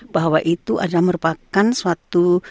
bahwa itu adalah merupakan suatu